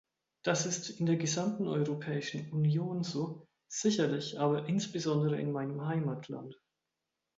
Das ist in der gesamten Europäischen Union so, sicherlich aber insbesondere in meinem Heimatland.